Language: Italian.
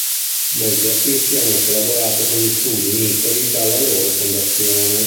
Molti artisti hanno collaborato con gli studi Nicoli dalla loro fondazione.